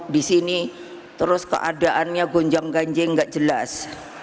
di sini terus keadaannya gonjang ganjing nggak jelas